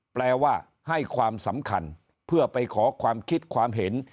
แปลว่าให้ความสำคัญเพื่อไปขอความคิดความเห็น